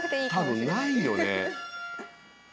多分ないよね。